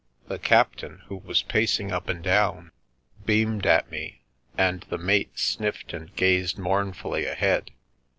The captain, who was pacing up and down, beamed at me, and the mate sniffed and gazed mournfully ahead.